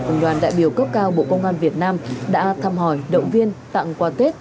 cùng đoàn đại biểu cấp cao bộ công an việt nam đã thăm hỏi động viên tặng quà tết